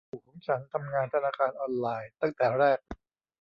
ปู่ของฉันทำงานธนาคารออนไลน์ตั้งแต่แรก